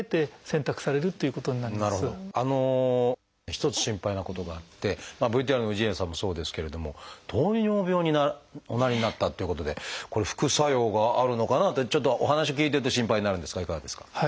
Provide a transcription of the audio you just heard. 一つ心配なことがあってＶＴＲの氏家さんもそうですけれども糖尿病におなりになったっていうことでこれ副作用があるのかなってちょっとお話を聞いてて心配になるんですがいかがですか？